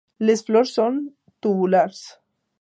Les flors són tubulars.